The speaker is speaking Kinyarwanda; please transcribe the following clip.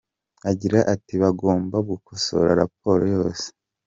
Agira ati “bagomba gukosora raporo yose.